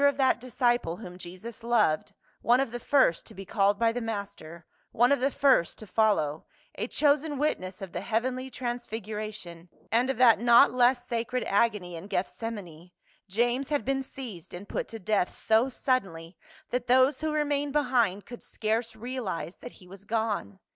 2oo of that disciple whom Jesus loved, one of the first to be called by the Master, one of the first to follow, a chosen witness of the heavenly transfiguration, and of that not less sacred agony in Gethsemane, James had been seized and put to death so suddenly that those who remained behind could scarce realize that he was gone.